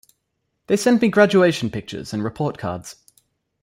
They send me graduation pictures and report cards.